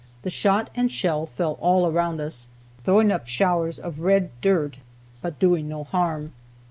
The shot and shell fell all around us, throwing up showers of red dirt, but doing no harm.